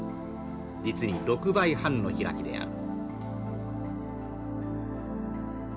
実に６倍半の開きである」。